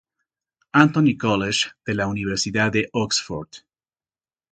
Anthony College de la Universidad de Oxford.